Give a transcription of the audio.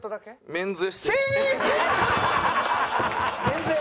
メンズ。